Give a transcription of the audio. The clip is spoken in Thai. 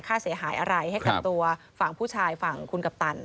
ค่าเสียหายอะไรให้กับตัวฝั่งผู้ชายฝั่งคุณกัปตัน